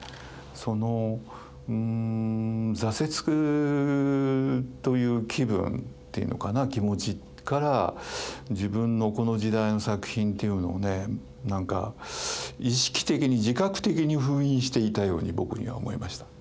そのうん挫折という気分っていうのかな気持ちから自分のこの時代の作品っていうのをねなんか意識的に自覚的に封印していたように僕には思えました。